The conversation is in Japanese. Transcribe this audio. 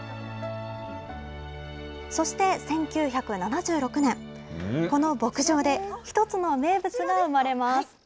そして、１９７６年、この牧場で１つの名物が生まれます。